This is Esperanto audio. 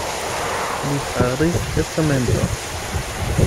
Li faris testamenton.